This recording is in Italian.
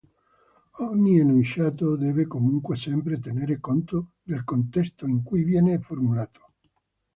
Ogni enunciato deve comunque sempre tenere conto del contesto in cui viene formulato.